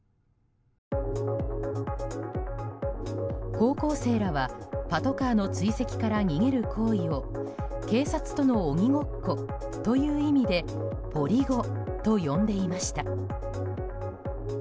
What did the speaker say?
高校生らはパトカーの追跡から逃げる行為を警察との鬼ごっこという意味でポリゴと呼んでいました。